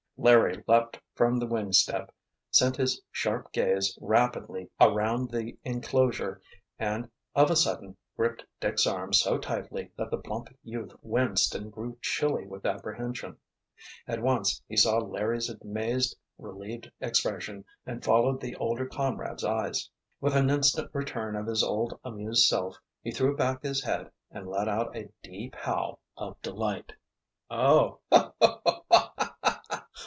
Larry leaped from the wing step, sent his sharp gaze rapidly around the enclosure and, of a sudden, gripped Dick's arm so tightly that the plump youth winced and grew chilly with apprehension. At once he saw Larry's amazed, relieved expression and followed the older comrade's eyes. With an instant return of his old amused self he threw back his head and let out a deep howl of delight. "Oh—ho ho ho ha ha!